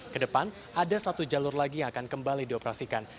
kedepan ada satu jalur lagi yang akan kembali dioperasikan